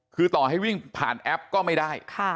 คือต่อให้วิ่งผ่านแอปก็ไม่ได้